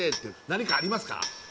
何かありますか？